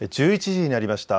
１１時になりました。